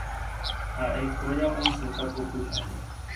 Ha’ekuéra osẽta ko pyhare.